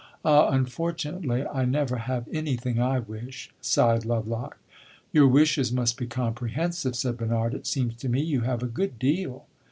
"Ah, unfortunately I never have anything I wish!" sighed Lovelock. "Your wishes must be comprehensive," said Bernard. "It seems to me you have a good deal."